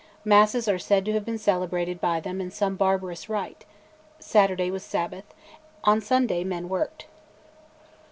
Masses are said to have been celebrated by them in some "barbarous rite"; Saturday was Sabbath; on Sunday men worked.